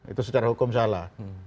itu secara hukum salah